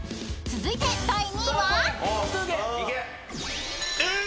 ［続いて第３位は？］